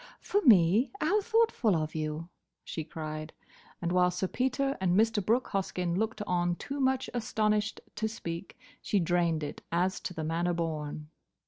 "For me? How thoughtful of you!" she cried; and while Sir Peter and Mr. Brooke Hoskyn looked on too much astonished to speak, she drained it as to the manner born.